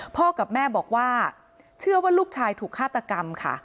พ่อกับแม่บอกว่าเชื่อว่าลูกชายถูกฆาตกรรมค่ะ